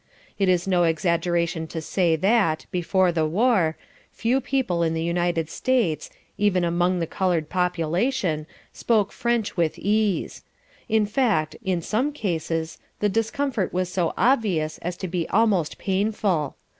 It is no exaggeration to say that, before the war, few people in the United States, even among the colored population, spoke French with ease. In fact, in some cases the discomfort was so obvious as to be almost painful.